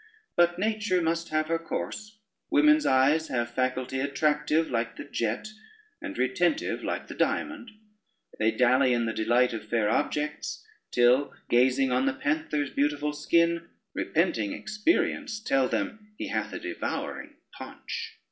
But nature must have her course: women's eyes have faculty attractive like the jet, and retentive like the diamond: they dally in the delight of fair objects, till gazing on the panther's beautiful skin, repenting experience tell them he hath a devouring paunch."